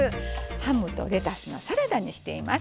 ハムとレタスのサラダにしています。